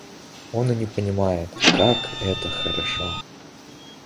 Он и не понимает, как это хорошо.